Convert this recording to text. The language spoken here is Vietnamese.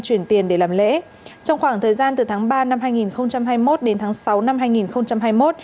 chuyển tiền để làm lễ trong khoảng thời gian từ tháng ba năm hai nghìn hai mươi một đến tháng sáu năm hai nghìn hai mươi một